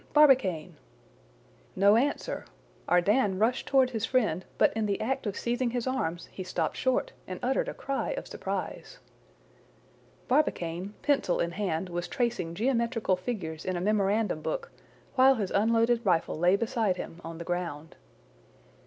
Barbicane!" No answer! Ardan rushed toward his friend; but in the act of seizing his arms, he stopped short and uttered a cry of surprise. Barbicane, pencil in hand, was tracing geometrical figures in a memorandum book, while his unloaded rifle lay beside him on the ground.